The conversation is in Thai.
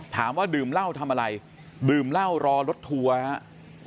ถามว่าดื่มเล่าทำอะไรดื่มเล่ารอรถทัวร์